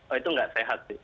oh itu nggak sehat sih